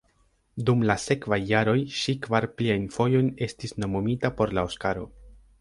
Dum la sekvaj jaroj ŝi kvar pliajn fojojn estis nomumita por la Oskaro.